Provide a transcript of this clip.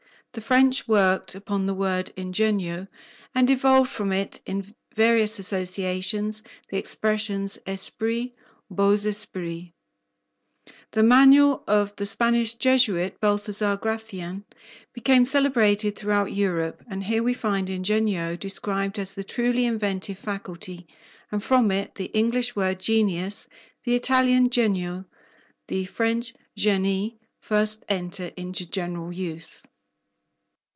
The French worked upon the word "ingegno" and evolved from it in various associations the expressions "esprit," "beaux Esprits." The manual of the Spanish Jesuit, Baltasar Gracian, became celebrated throughout Europe, and here we find "ingegno" described as the truly inventive faculty, and from it the English word "genius," the Italian "genio," the French "génie," first enter into general use.